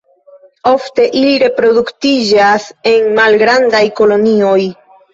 Ofte ili reproduktiĝas en malgrandaj kolonioj.